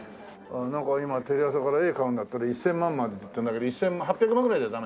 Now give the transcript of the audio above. なんか今テレ朝から絵買うんだったら１０００万までって言うんだけど８００万ぐらいじゃダメ？